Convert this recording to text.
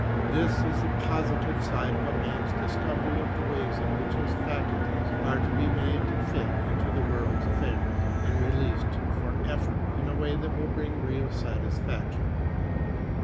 This is the positive side of a man's discovery of the way in which his faculties are to be made to fit into the world's affairs, and released for effort in a way that will bring real satisfaction.